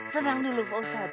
senang dulu pak ustadz